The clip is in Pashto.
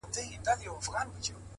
څومره چي يې مينه كړه.